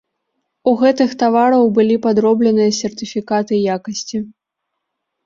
У гэтых тавараў былі падробленыя сертыфікаты якасці.